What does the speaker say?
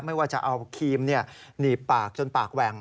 ไม่ว่าจะเอาครีมหนีบปากจนปากแหว่ง